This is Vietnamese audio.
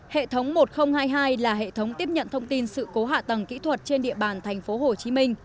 hệ thống một nghìn hai mươi hai là hệ thống tiếp nhận thông tin sự cố hạ tầng kỹ thuật trên địa bàn tp hcm